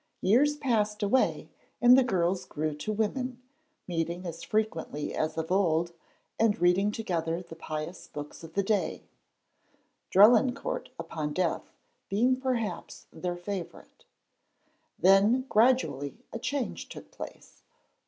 Years passed away and the girls grew to women, meeting as frequently as of old and reading together the pious books of the day, 'Drelincourt upon Death' being perhaps their favourite. Then gradually a change took place.